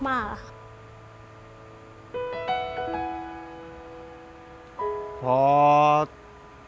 ซึ่งคุณใช่หรือรู้